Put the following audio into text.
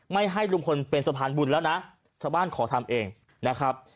ไม่ให้ลุงพลเป็นสะพานบุญแล้วนะชาวบ้านขอทำเองนะครับ